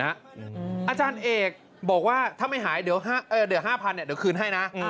อาจารย์เอกบอกว่าถ้าไม่หายเดี๋ยว๕๐๐เดี๋ยวคืนให้นะ